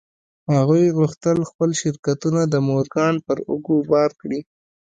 هغوی غوښتل خپل شرکتونه د مورګان پر اوږو بار کړي